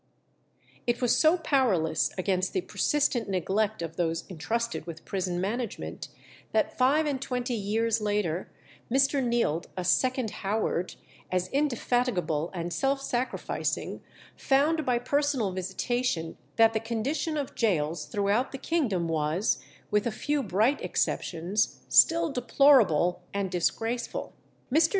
It was so powerless against the persistent neglect of those intrusted with prison management, that, five and twenty years later, Mr. Neild, a second Howard, as indefatigable and self sacrificing, found by personal visitation that the condition of gaols throughout the kingdom was, with a few bright exceptions, still deplorable and disgraceful. Mr.